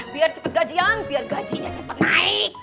biar cepet gajian biar gajinya cepet naik